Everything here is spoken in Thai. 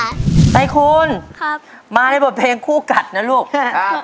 ตรายคุณมาในบทเพลงคู่กัดนะลูกค่ะค่ะ